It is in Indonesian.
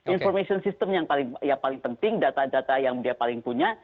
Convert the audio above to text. information system yang paling penting data data yang dia paling punya